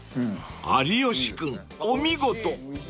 ［有吉君お見事］